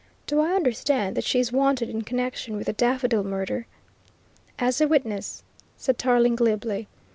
Do I understand that she is wanted in connection with the Daffodil Murder?" "As a witness," said Tarling glibly.